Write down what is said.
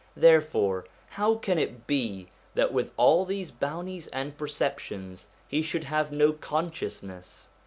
Therefore how can it be that with all these bounties and perfections he should have no consciousness